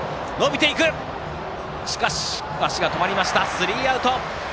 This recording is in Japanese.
スリーアウト。